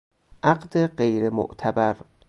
عقد غیر معتبر